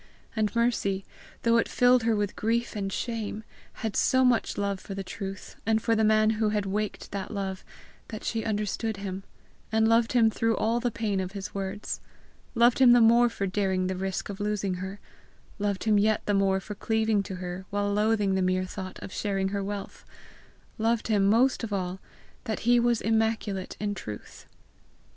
And Mercy, though it filled her with grief and shame, had so much love for the truth, and for the man who had waked that love, that she understood him, and loved him through all the pain of his words; loved him the more for daring the risk of losing her; loved him yet the more for cleaving to her while loathing the mere thought of sharing her wealth; loved him most of all that he was immaculate in truth.